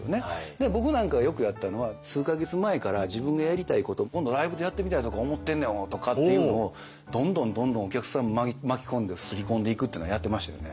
で僕なんかがよくやったのは数か月前から自分がやりたいこと今度ライブでやってみたいとか思ってんねんとかっていうのをどんどんどんどんお客さん巻き込んですり込んでいくっていうのはやってましたよね。